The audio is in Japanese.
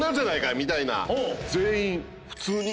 みたいな。